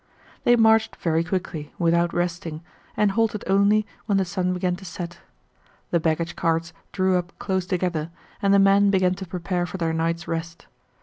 They marched very quickly, without resting, and halted only when the sun began to set. The baggage carts drew up close together and the men began to prepare for their night's rest.